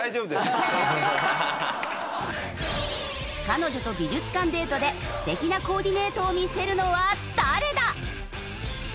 彼女と美術館デートで素敵なコーディネートを見せるのは誰だ？